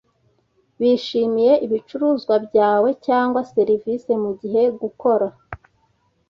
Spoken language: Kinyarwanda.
bishimiye ibicuruzwa byawe cyangwa serivise mugihe gukora